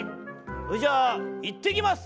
それじゃあいってきます！」。